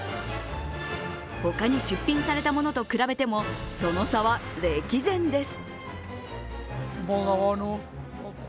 他に出品されたものと比べてもその差は歴然です。